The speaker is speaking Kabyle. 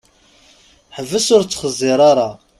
Ḥbes ur ttxeẓẓiṛ ara!